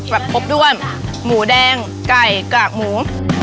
แบบครบด้วยหมูแดงไก่กากหมู